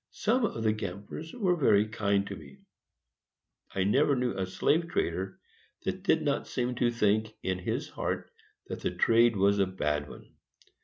Some of the gamblers were very kind to me: I never knew a slave trader that did not seem to think, in his heart, that the trade was a bad one.